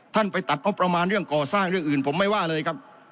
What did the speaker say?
ไปตัดงบประมาณเรื่องก่อสร้างเรื่องอื่นผมไม่ว่าเลยครับ